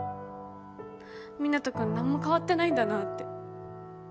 湊人君何も変わってないんだなって。